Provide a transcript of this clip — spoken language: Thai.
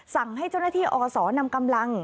สั่งให้เจ้าหน้าที่อศนำกำลัง